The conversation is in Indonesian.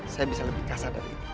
saya bisa lebih kasar dari itu